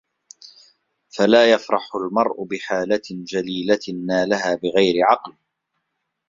فَلَا يَفْرَحُ الْمَرْءُ بِحَالَةٍ جَلِيلَةٍ نَالَهَا بِغَيْرِ عَقْلٍ